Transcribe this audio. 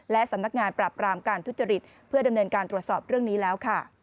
และสำนักงานปราบรามการทุจริตเพื่อดำเนินการตรวจสอบเรื่องนี้แล้วค่ะ